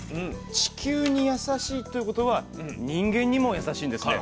地球にやさしいということは人間にもやさしいんですね。